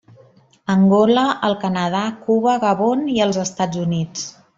Angola, el Canadà, Cuba, Gabon i els Estats Units.